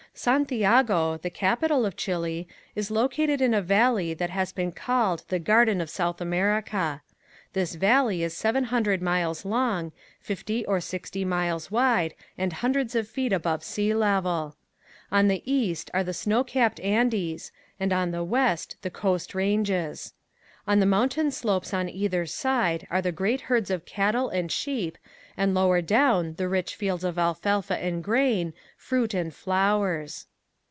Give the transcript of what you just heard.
Santiago, the capital of Chile, is located in a valley that has been called the "Garden of South America." This valley is seven hundred miles long, fifty or sixty miles wide and hundreds of feet above sea level. On the east are the snow capped Andes and on the west the coast ranges. On the mountain slopes on either side are the great herds of cattle and sheep and lower down the rich fields of alfalfa and grain, fruit and flowers.